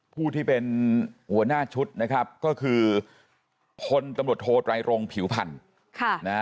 ผู้ที่เป็นหัวหน้าชุดนะครับก็คือพลตำรวจโทไตรรงผิวพันธุ์